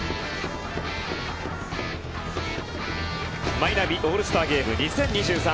マイナビオールスターゲーム２０２３。